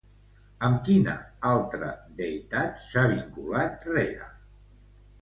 Amb quina altra deïtat s'ha vinculat Rea?